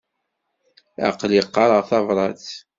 Aql-i qqareɣ tabrat.